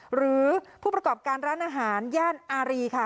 หรือผู้ประกอบการร้านอาหารย่านอารีค่ะ